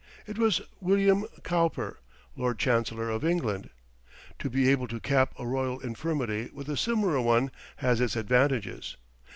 It was William Cowper, Lord Chancellor of England. To be able to cap a royal infirmity with a similar one has its advantages.